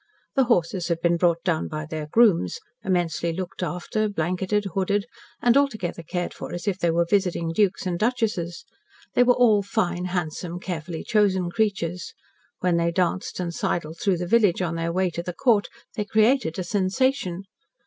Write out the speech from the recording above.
The horses had been brought down by their grooms immensely looked after, blanketed, hooded, and altogether cared for as if they were visiting dukes and duchesses. They were all fine, handsome, carefully chosen creatures. When they danced and sidled through the village on their way to the Court, they created a sensation.